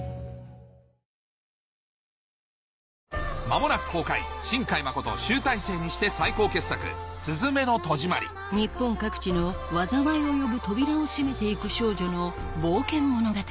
間もなく公開新海誠集大成にして最高傑作『すずめの戸締まり』日本各地の災いを呼ぶ扉を閉めて行く少女の冒険物語